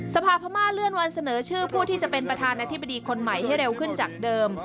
สภาพม่าเลื่อนวันเสนอชื่อผู้ที่จะเป็นประธานาธิบดีคนใหม่ให้เร็วขึ้นจากเดิม